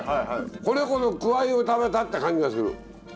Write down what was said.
これこそくわいを食べたって感じがする。